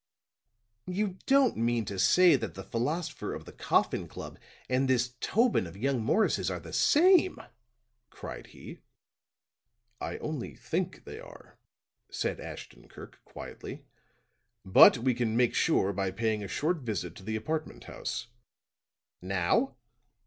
"You don't mean to say that the philosopher of the Coffin Club and this Tobin of young Morris's are the same," cried he. "I only think they are," said Ashton Kirk quietly. "But we can make sure by paying a short visit to the apartment house." "Now?"